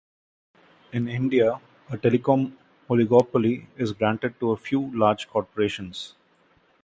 In India, a telecom oligopoly is granted to a few large corporations.